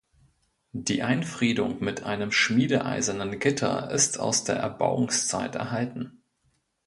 Die Einfriedung mit einem schmiedeeisernen Gitter ist aus der Erbauungszeit erhalten.